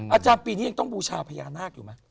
อาจารย์ปีนี้ยังต้องบูชาพญานาค